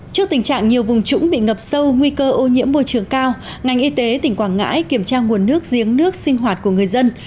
trước tình trạng nhiều vùng trũng bị ngập sâu nguy cơ ô nhiễm môi trường cao ngành y tế tỉnh quảng ngãi kiểm tra nguồn nước giếng nước sinh hoạt của người dân